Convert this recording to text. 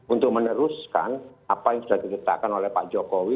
untuk meneruskan apa yang sudah ditetapkan oleh pak jokowi